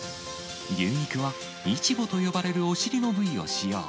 牛肉はイチボと呼ばれるお尻の部位を使用。